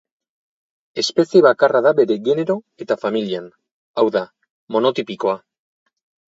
Espezie bakarra da bere genero eta familian, hau da, monotipikoa.